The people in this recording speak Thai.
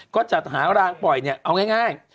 ก็จัดหารางปล่อยเนี่ยเอาง่าย